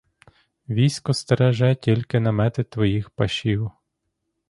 Військо стереже тільки намети твоїх пашів.